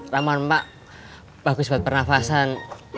ramuan mak bagus buat pernafasan